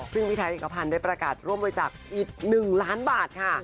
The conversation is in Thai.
ซึ่งพี่ไทยเอกพันธ์ได้ประกาศร่วมบริจาคอีก๑ล้านบาทค่ะ